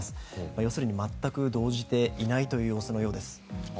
要するに全く動じていないという様子のようです。